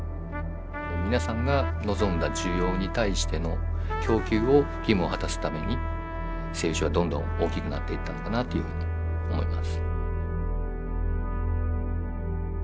皆さんが望んだ需要に対しての供給を義務を果たすために製油所はどんどん大きくなっていったのかなというふうに思います。